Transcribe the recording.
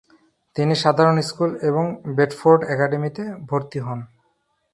তিনি সাধারণ স্কুল এবং বেডফোর্ড একাডেমীতে ভর্তি হন।